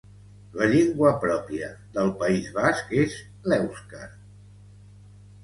La llengua pròpia del País Basc és l'èuscar.